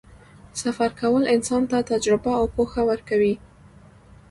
سفر کول انسان ته تجربه او پوهه ورکوي.